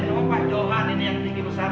coba pak johan ini yang tinggi besar